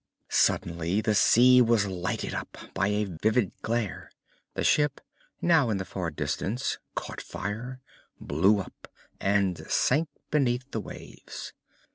Suddenly the sea was lighted up by a vivid glare. The ship, now in the far distance, caught fire, blew up and sank beneath the waves.